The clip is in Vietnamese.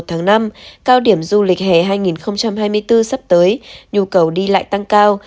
tháng năm cao điểm du lịch hè hai nghìn hai mươi bốn sắp tới nhu cầu đi lại tăng cao